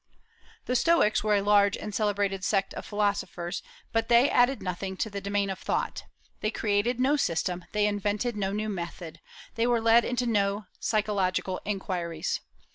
The Stoics were a large and celebrated sect of philosophers; but they added nothing to the domain of thought, they created no system, they invented no new method, they were led into no new psychological inquiries.